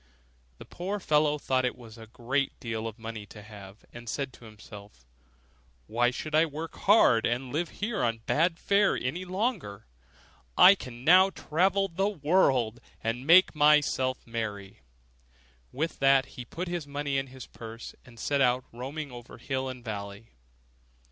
The poor fellow thought it was a great deal of money to have, and said to himself, 'Why should I work hard, and live here on bad fare any longer? I can now travel into the wide world, and make myself merry.' With that he put his money into his purse, and set out, roaming over hill and valley.